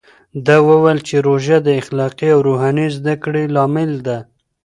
ده وویل چې روژه د اخلاقي او روحاني زده کړې لامل ده.